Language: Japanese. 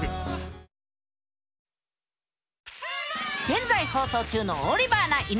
現在放送中の「オリバーな犬」。